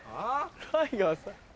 ライガーさん。